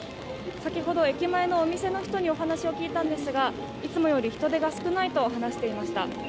先ほど駅前のお店の人にお話を聞いたんですが、いつもより人出が少ないと話していました。